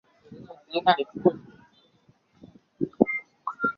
美属维尔京群岛是美国唯一道路交通靠左行驶的地区。